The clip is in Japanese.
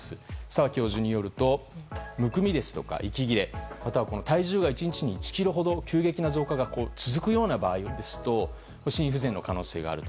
澤教授によるとむくみですとか息切れ体重が１日に１ｋｇほどの急激な増加が続く場合ですと心不全の可能性がある。